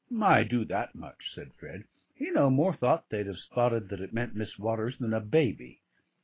"I do that much," said Fred. "He no more thought they'd have spotted that it meant Miss Waters than a baby.